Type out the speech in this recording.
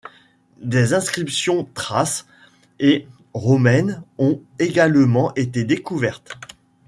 Des inscriptions thraces et romaines ont également été découvertes.